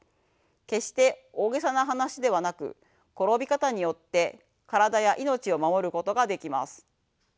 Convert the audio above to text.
決して大げさな話ではなく転び方によって体や命を守ることができます。